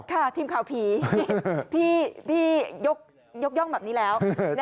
ทีมข่าวผีพี่ยกย่องแบบนี้แล้ว